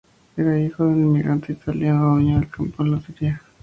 Era hijo de un inmigrante italiano, dueño de un campo en Lobería.